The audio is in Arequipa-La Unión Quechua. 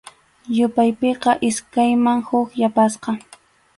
Yupaypiqa iskayman huk yapasqa.